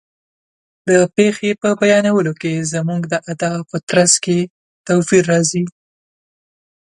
د پېښې په بیانولو کې زموږ د ادا په طرز کې توپیر راځي.